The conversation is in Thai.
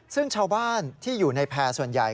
ซึ่งชาวบ้านที่อยู่ในแพร่ส่วนใหญ่